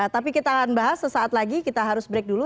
tapi kita akan bahas sesaat lagi kita harus break dulu